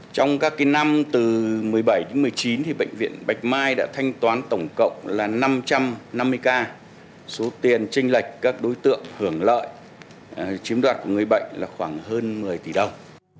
trong các năm từ một mươi bảy đến một mươi chín bệnh viện bạch mai đã thanh toán tổng cộng là năm trăm năm mươi ca số tiền tranh lệch các đối tượng hưởng lợi chiếm đoạt của người bệnh là khoảng hơn một mươi tỷ đồng